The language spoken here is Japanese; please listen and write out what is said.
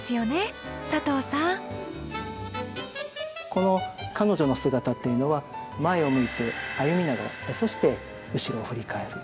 この彼女の姿っていうのは前を向いて歩みながらそして後ろを振り返る。